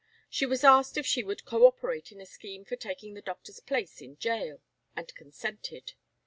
She was asked if she would co operate in a scheme for taking the Doctor's place in gaol, and consented.